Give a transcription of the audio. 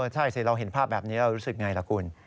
ใช่สิเราเห็นภาพแบบนี้เรารู้สึกอย่างไรล่ะคุณ